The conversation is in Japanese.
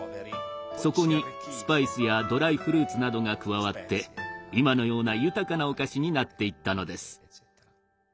そこにスパイスやドライフルーツなどが加わって今のような豊かなお菓子になっていったのです。